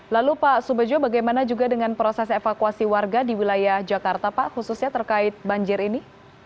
lalu pak subejo bagaimana juga dengan proses evakuasi warga di wilayah jakarta pak khususnya terkait banjir ini